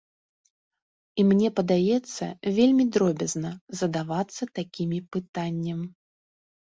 І мне падаецца, вельмі дробязна задавацца такімі пытаннем.